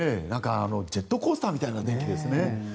ジェットコースターみたいな天気ですね。